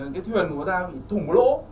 cái thuyền của ta thủng lỗ